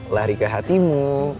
lari ke hatimu